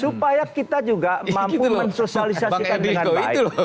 supaya kita juga mampu mensosialisasikan dengan baik